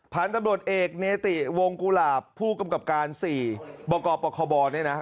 ผ่านตำรวจเอกเนติวงกุลาบผู้กำกับการ๔บคเนี่ยนะ